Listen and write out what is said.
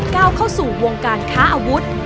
ก้าวเข้าสู่วงการค้าอาวุธ